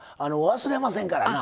忘れませんからなあ。